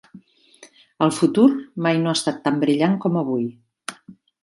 El futur mai no ha estat tan brillant com avui.